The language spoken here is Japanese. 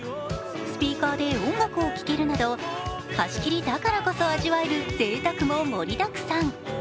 スピーカーで音楽を聴けるなど貸し切りだからこそ味わえるぜいたくも盛りだくさん。